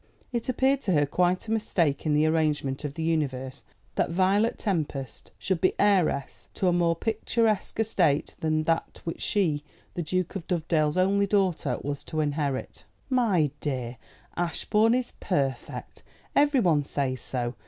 It appeared to her quite a mistake in the arrangement of the universe that Violet Tempest should be heiress to a more picturesque estate than that which she, the Duke of Dovedale's only daughter, was to inherit. "My dear, Ashbourne is perfect. Everyone says so.